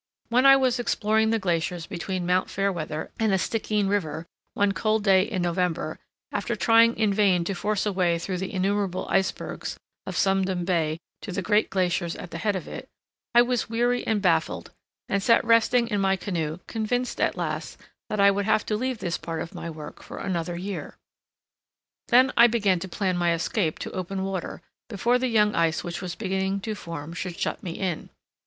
When I was exploring the glaciers between Mount Fairweather and the Stikeen River, one cold day in November, after trying in vain to force a way through the innumerable icebergs of Sum Dum Bay to the great glaciers at the head of it, I was weary and baffled and sat resting in my canoe convinced at last that I would have to leave this part of my work for another year. Then I began to plan my escape to open water before the young ice which was beginning to form should shut me in.